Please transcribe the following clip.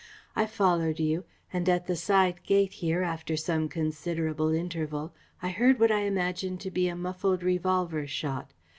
I followed you and at the side gate here, after some considerable interval, I heard what I imagined to be a muffled revolver shot.